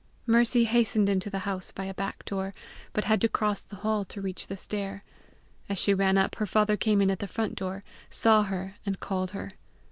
Mercy hastened into the house by a back door, but had to cross the hall to reach the stair. As she ran up, her father came in at the front door, saw her, and called her.